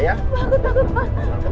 tenang ada papa disini